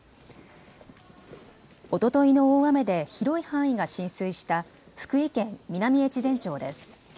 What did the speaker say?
おとといの大雨で広い範囲が浸水した福井県南越前町です。